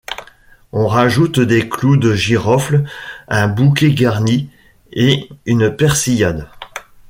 On rajoute des clous de girofle, un bouquet garni et une persillade.